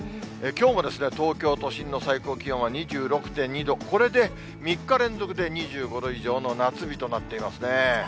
きょうも東京都心の最高気温は２６．２度、これで３日連続で２５度以上の夏日となっていますね。